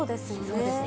そうですね。